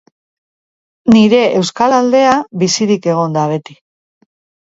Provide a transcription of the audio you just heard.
Nire euskal aldea bizirik egon da beti.